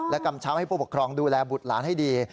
และกำเช้าให้ผู้ปกครองดูแลบุตรร้านให้ดี